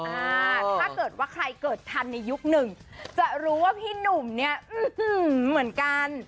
อ่าถ้าเกิดว่าใครเกิดทันในยุคหนึ่งจะรู้ว่าพี่หนุ่มเนี่ยเหมือนกัน